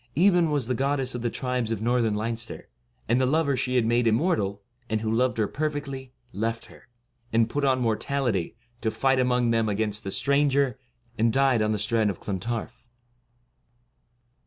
Aebhen was the goddess of the tribes of northern Leinster; and the lover she had made immortal, and who loved her perfectly, left her, and put on mortality, to fight among them against the stranger, and died on the strand of Clontarf.